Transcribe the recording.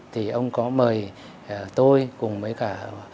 thì ông có mời tôi cùng với cả